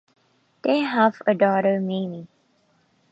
They have a daughter, Mimi.